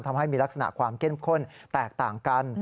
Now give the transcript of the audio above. ทำให้มีลักษณะความเข้มข้นแตกต่างกัน